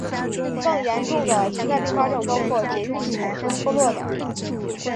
更严重的潜在并发症包含节育器本身脱落等。